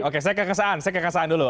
oke saya kekasaan dulu